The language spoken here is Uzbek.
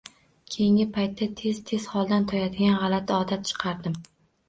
Keyingi paytda tez-tez holdan toyadigan gʼalati odat chiqardim.